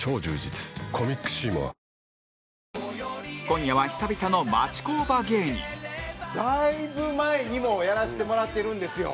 今夜は久々の町工場芸人だいぶ前にもやらせてもらってるんですよ。